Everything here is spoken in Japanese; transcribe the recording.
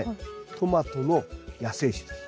トマトの野生種です。